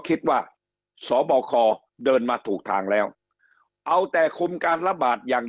คิดว่าสบคเดินมาถูกทางแล้วเอาแต่คุมการระบาดอย่าง